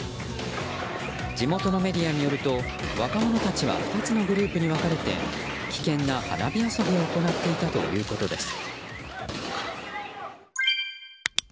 地元のメディアによると若者たちは２つのグループに分かれて危険な花火遊びを行っていたということです。